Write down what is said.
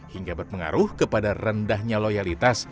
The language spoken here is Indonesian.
hingga berpengaruh kepada rendahnya loyalitas